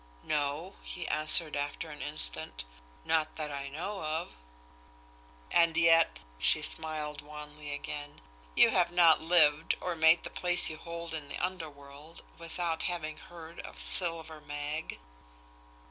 "No," he answered, after an instant. "Not that I know of." "And yet" she smiled wanly again "you have not lived, or made the place you hold in the underworld, without having heard of Silver Mag."